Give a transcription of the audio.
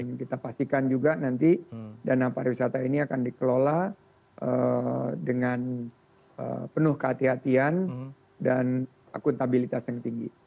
dan kita pastikan juga nanti dana pariwisata ini akan dikelola dengan penuh kehatian dan akuntabilitas yang tinggi